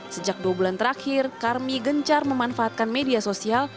sejak dua bulan terakhir karmi gencar memanfaatkan media sosial